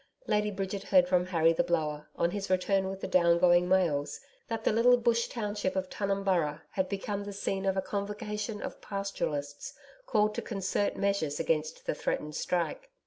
Lady Bridget heard from Harry the Blower on his return round with the down going mails that the little bush township of Tunumburra had become the scene of a convocation of Pastoralists called to concert measures against the threatened strike.